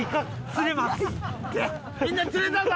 みんな釣れたぞ！